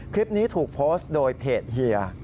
คลิปนี้ถูกโพสต์โดยเพจเฮีย